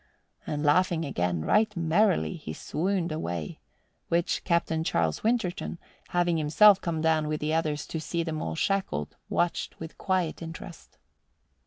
And laughing again, right merrily, he swooned away, which Captain Charles Winterton, having himself come down with the others to see them all shackled, watched with quiet interest.